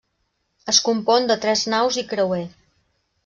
Es compon de tres naus i creuer.